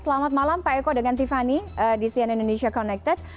selamat malam pak eko dengan tiffany di sian indonesia connected